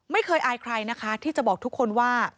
อายใครนะคะที่จะบอกทุกคนว่า